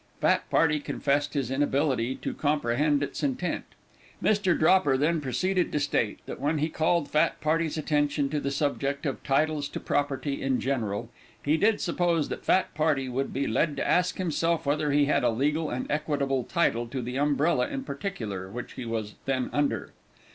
Fat party confessed his inability to comprehend its intent. Mr. Dropper then proceeded to state that when he called fat party's attention to the subject of titles to property in general, he did suppose that fat party would be led to ask himself whether he had a legal and equitable title to the umbrella in particular which he was then under.